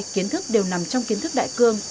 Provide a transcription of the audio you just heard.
kiến thức đều nằm trong kiến thức đại cương